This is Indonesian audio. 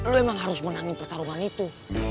lo emang harus menangin pertarungan itu